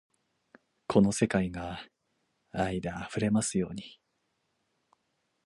この世界が愛で溢れますように